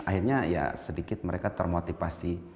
akhirnya ya sedikit mereka termotivasi